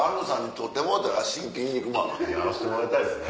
やらせてもらいたいですね。